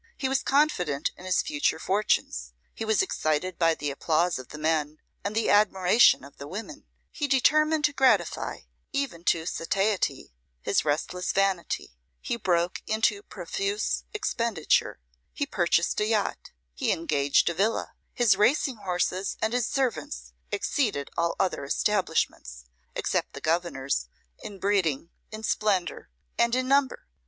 He was confident in his future fortunes; he was excited by the applause of the men, and the admiration of the women; he determined to gratify, even to satiety, his restless vanity; he broke into profuse expenditure; he purchased a yacht; he engaged a villa; his racing horses and his servants exceeded all other establishments, except the Governor's, in breeding, in splendour, and in number.